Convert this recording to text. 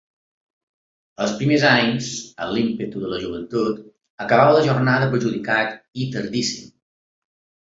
Els primers anys, amb l'ímpetu de la joventut, acabava la jornada perjudicat i tardíssim.